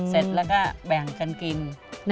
เสร็จแล้วก็แบ่งกันกิน